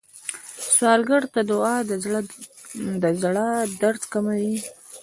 سوالګر ته دعا د زړه درد کموي